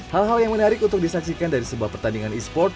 hal hal yang menarik untuk disaksikan dari sebuah pertandingan e sport